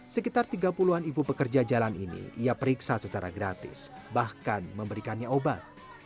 sekitar tiga puluh an ibu pekerja jalan ini ia periksa secara gratis bahkan memberikannya obat